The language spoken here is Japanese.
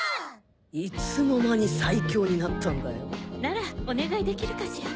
いつの間に最強になったんだよならお願いできるかしら。